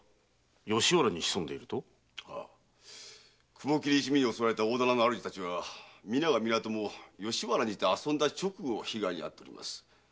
雲切一味に襲われた大店の主たちは皆が皆とも吉原にて遊んだ直後被害に遭っております。